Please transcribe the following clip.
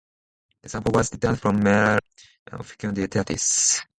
The sample was returned from Mare Fecunditatis.